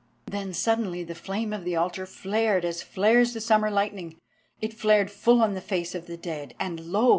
Then suddenly the flame of the altar flared as flares the summer lightning. It flared full on the face of the dead, and lo!